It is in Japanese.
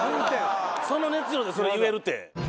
その熱量でそれ言えるって。